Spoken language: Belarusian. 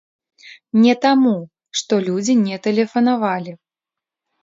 Не таму, што людзі не тэлефанавалі.